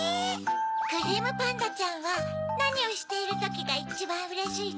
クリームパンダちゃんはなにをしているときがいちばんうれしいの？